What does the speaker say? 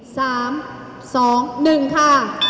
สามสองหนึ่งค่ะ